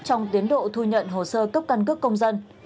trong tiến độ thu nhận hồ sơ cấp căn cước công dân